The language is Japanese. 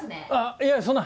いえそんな！